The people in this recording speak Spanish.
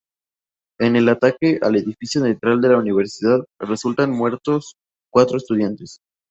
En el ataque al edificio central de la Universidad resultan muertos cuatro estudiantes.